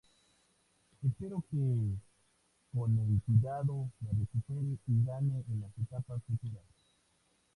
Espero que con el cuidado me recupere y gane en las etapas futuras!